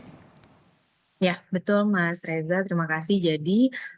ya betul mas reza terima kasih jadi